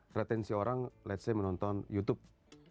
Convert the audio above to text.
kretensi orang menonton youtube